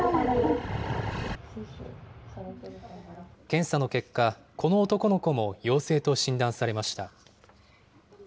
検査の結果、この男の子も陽性と診断されました。